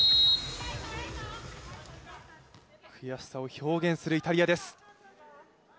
悔しさを表現するイタリアです。